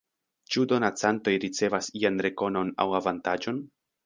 Ĉu donacantoj ricevas ian rekonon aŭ avantaĝon?